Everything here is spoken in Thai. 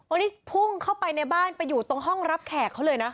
อันนี้พุ่งเข้าไปในบ้านไปอยู่ตรงห้องรับแขกเขาเลยนะ